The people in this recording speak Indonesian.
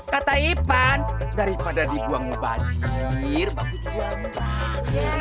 kata ipan daripada dibuang bajir baru dibuang mbak